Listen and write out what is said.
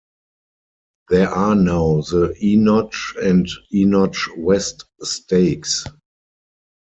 There are now the Enoch and Enoch West stakes.